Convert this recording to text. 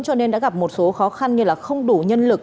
cho nên đã gặp một số khó khăn như không đủ nhân lực